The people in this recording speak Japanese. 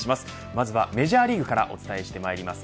まずはメジャーリーグからお伝えしてまいります。